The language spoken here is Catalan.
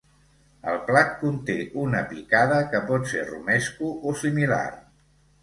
El plat conté una picada que pot ser romesco o similar.